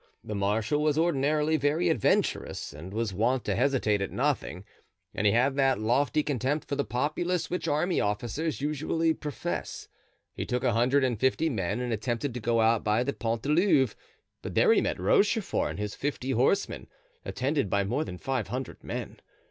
The marshal was ordinarily very adventurous and was wont to hesitate at nothing; and he had that lofty contempt for the populace which army officers usually profess. He took a hundred and fifty men and attempted to go out by the Pont du Louvre, but there he met Rochefort and his fifty horsemen, attended by more than five hundred men.